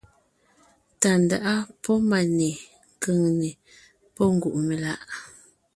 Tàndáʼa pɔ́ Máne; Kʉ̀ŋne pɔ́ Ngùʼmelaʼ.